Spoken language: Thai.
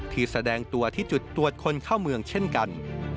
แสดงตัวที่จุดตรวจคนเข้าเมืองเช่นกัน